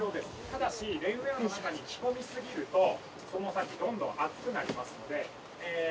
ただしレインウェアの中に着込みすぎるとその先どんどん暑くなりますのでえー